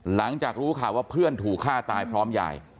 หลังจากรู้ข่าวว่าเพื่อนถูกฆ่าตายพร้อมยาย